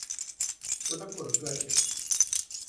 Что такое, Гарри?